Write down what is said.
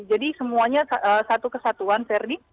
jadi semuanya satu kesatuan ferdi